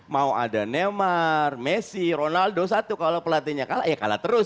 mau ada neymar messi ronaldo satu kalau pelatihnya kalah ya kalah terus